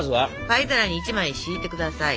パイ皿に１枚敷いて下さい。